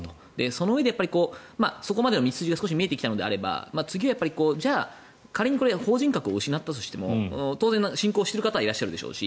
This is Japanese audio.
そのうえで、そこまでの道筋は見えてきたのであれば次はじゃあ仮に法人格を失ったとしても当然、信仰している方はいらっしゃるでしょうし。